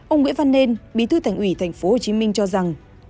ông nguyễn văn nên bí thư thành ủy tp hcm cho rằng